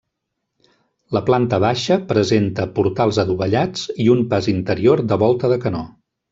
La planta baixa presenta portals adovellats i un pas interior de volta de canó.